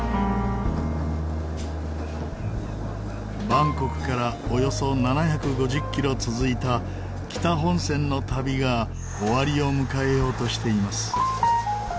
バンコクからおよそ７５０キロ続いた北本線の旅が終わりを迎えようとしています。